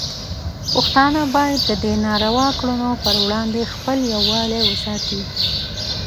پښتانه باید د دې ناروا کړنو پر وړاندې خپل یووالی وساتي.